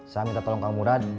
saya minta tolong ke umuran